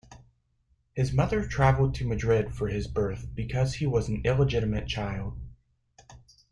His mother travelled to Madrid for his birth, because he was an illegitimate child.